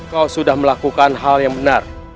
kau sudah melakukan hal yang benar